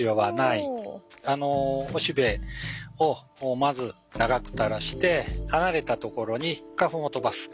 おしべをまず長く垂らして離れたところに花粉を飛ばす。